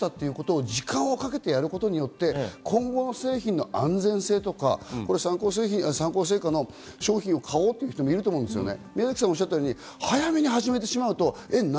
その時にすべてここまで変えましたということを時間をかけてやることによって今後の製品の安全性とか三幸製菓の商品を買おうという人もいると思うんですね。